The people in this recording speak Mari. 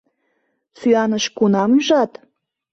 Сӱаныш кунам ӱжат?